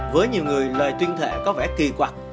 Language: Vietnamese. với nhiều người lời tuyên thệ có vẻ kỳ quặt